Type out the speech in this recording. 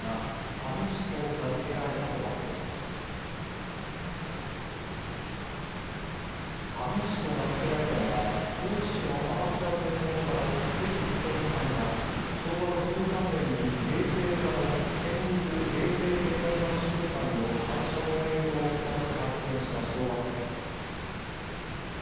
Ｋａｍｉｓｈｉと名付けられたのは高知市のアマチュア天文家の関勉さんが昭和６３年に芸西村の県立芸西天文学習館の反射望遠鏡を使って発見した小惑星です。